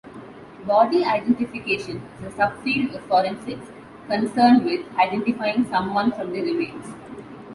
Body identification is a subfield of forensics concerned with identifying someone from their remains.